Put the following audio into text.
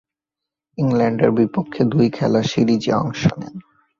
ইংল্যান্ডের বিপক্ষে দুই খেলার সিরিজে অংশ নেন।